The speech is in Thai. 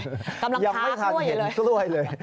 ยังไม่ทานเห็นจ้วยเลยค่ะตำรางคาคด้วยเลย